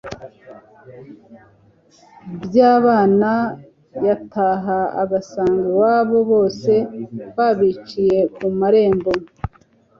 by'abana yataha agasanga iwabo bose babiciye ku marembo,